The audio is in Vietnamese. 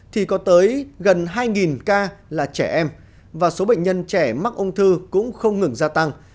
thì có tới gần hai ca là trẻ em và số bệnh nhân trẻ mắc ung thư cũng không ngừng gia tăng